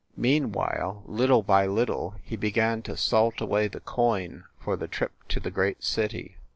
Meanwhile, little by little, he began to salt away the coin for the trip to the great city.